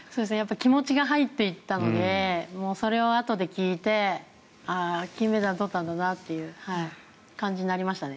気持ちが入っていたのでそれをあとで聞いて金メダル取ったんだなという感じになりましたね。